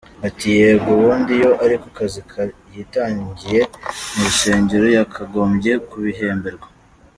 Ati “Yego ubundi, iyo ariko kazi yitangiye mu rusengero yakagombye kubihemberwa.